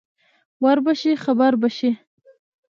ور به شې خبر به شې.